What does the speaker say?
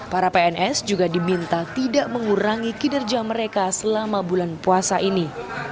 para pns juga diminta tidak mengurangi kinerja mereka selama bulan puasa ini